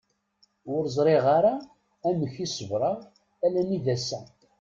Ur ẓriɣ ara amek i sebreɣ alammi d ass-a.